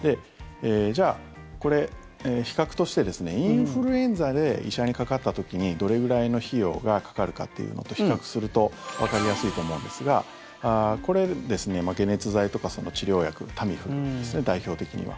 じゃあ、これ、比較としてインフルエンザで医者にかかった時にどれぐらいの費用がかかるかっていうのと比較するとわかりやすいと思うんですがこれですね、解熱剤とか治療薬タミフルですね、代表的には。